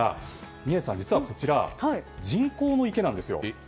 宮司さん、実はこちら人工の池なんですよ。